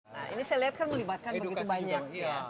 nah ini saya lihat kan melibatkan begitu banyak